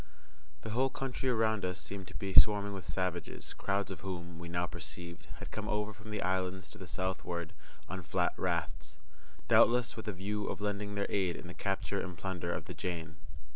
The whole country around us seemed to be swarming with savages, crowds of whom, we now perceived, had come over from the islands to the southward on flat rafts, doubtless with a view of lending their aid in the capture and plunder of the Jane.